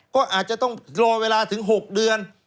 ก็อาจจะต้องรอเวลาถึง๖เดือน